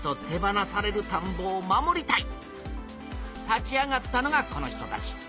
立ち上がったのがこの人たち。